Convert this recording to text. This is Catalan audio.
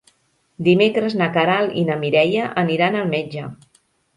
Dimecres na Queralt i na Mireia aniran al metge.